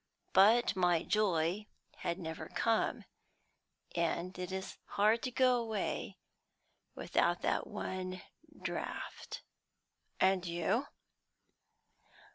But my joy had never come, and it is hard to go away without that one draught. And you!"